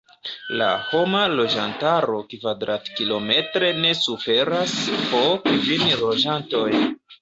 La homa loĝantaro kvadrat-kilometre ne superas po kvin loĝantoj.